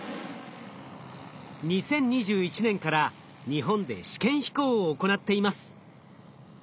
２０２１年から日本で試験飛行を行っています。